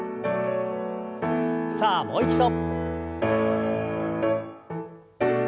さあもう一度。